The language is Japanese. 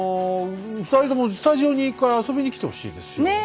二人ともスタジオに１回遊びに来てほしいですよ。